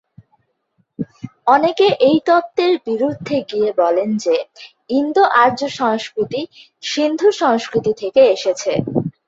অনেকে এই তত্ত্বের বিরুদ্ধে গিয়ে বলেন যে ইন্দো-আর্য সংস্কৃতি সিন্ধু সংস্কৃতি থেকে এসেছে।